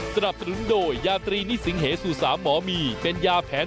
สนับสนุนโดยยาตรีนิสิงเหสู่สามหมอมีเป็นยาแผน